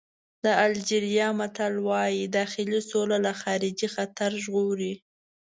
د الجېریا متل وایي داخلي سوله له خارجي خطر ژغوري.